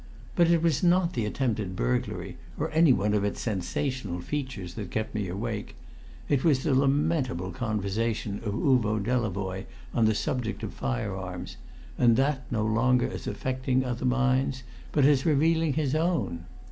But it was not the attempted burglary, or any one of its sensational features, that kept me awake; it was the lamentable conversation of Uvo Delavoye on the subject of fire arms, and that no longer as affecting other minds, but as revealing his own.